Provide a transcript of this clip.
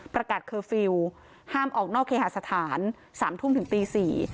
เคอร์ฟิลล์ห้ามออกนอกเคหาสถาน๓ทุ่มถึงตี๔